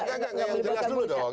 enggak enggak yang jelas dulu dong